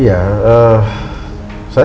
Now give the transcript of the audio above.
iya kan pak iya